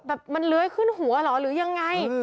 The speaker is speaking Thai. แบบมันเลื้อยขึ้นหัวเหรอหรือยังไง